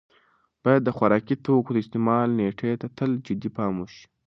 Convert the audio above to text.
باید د خوراکي توکو د استعمال نېټې ته تل جدي پام وشي.